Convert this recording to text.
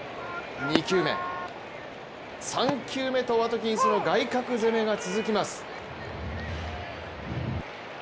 ２球目、３球目とワトキンスの外角攻めが続きます。